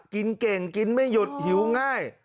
กินเก่งกินไม่หยุดหิวง่าย